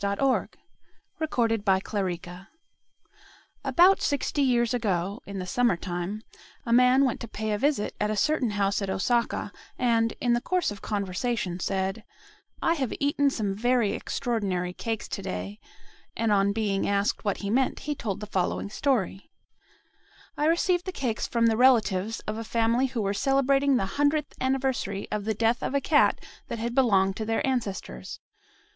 THE STORY OF THE FAITHFUL CAT About sixty years ago, in the summertime, a man went to pay a visit at a certain house at Osaka, and, in the course of conversation, said "I have eaten some very extraordinary cakes to day," and on being asked what he meant, he told the following story: "I received the cakes from the relatives of a family who were celebrating the hundredth anniversary of the death of a cat that had belonged to their ancestors.